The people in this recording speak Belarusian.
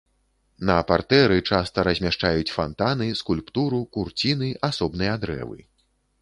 На партэры часта размяшчаюць фантаны, скульптуру, курціны, асобныя дрэвы.